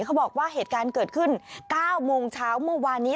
เขาบอกว่าเหตุการณ์เกิดขึ้น๙โมงเช้าเมื่อวานนี้